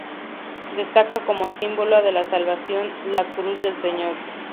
Destaca como símbolo de salvación la Cruz del Señor.